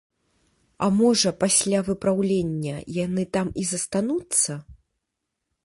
А можа, пасля выпраўлення яны там і застануцца?